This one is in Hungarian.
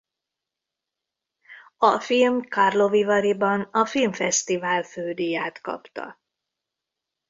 A film Karlovy Varyban a Filmfesztivál fődíját kapta.